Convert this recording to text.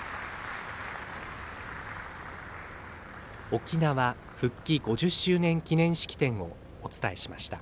「沖縄復帰５０周年記念式典」をお伝えしました。